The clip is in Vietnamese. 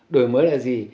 đổi mới là gì